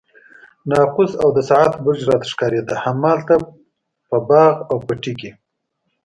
ناقوس او د ساعت برج راته ښکارېده، همالته په باغ او پټي کې.